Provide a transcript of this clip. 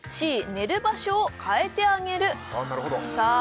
寝る場所を変えてあげるさあ